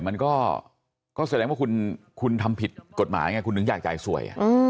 มันก็แสดงว่าคุณทำผิดกฎหมายไงคุณถึงอยากจ่ายสวย